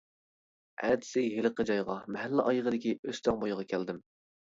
ئەتىسى ھېلىقى جايغا، مەھەللە ئايىغىدىكى ئۆستەڭ بويىغا كەلدىم.